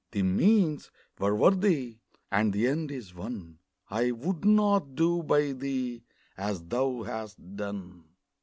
The means were worthy, and the end is won I would not do by thee as thou hast done!